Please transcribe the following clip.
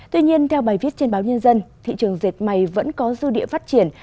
tuy nhiên theo bài viết trên báo nhân dân thị trường dệt may vẫn có dư địa phát triển